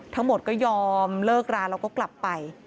ทั้งหมดก็ยอมเลิกราแล้วก็กลับไป